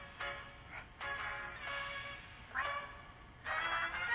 まだ？」